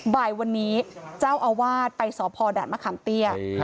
บ่ายวันนี้เจ้าอาวาสไปสพด่านมะขามเตี้ย